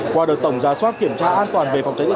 qua đợt tổng giả soát kiểm tra an toàn về phòng cháy cháy